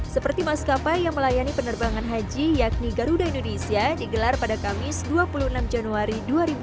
seperti maskapai yang melayani penerbangan haji yakni garuda indonesia digelar pada kamis dua puluh enam januari dua ribu dua puluh